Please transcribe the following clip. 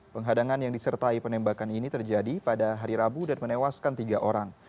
penghadangan yang disertai penembakan ini terjadi pada hari rabu dan menewaskan tiga orang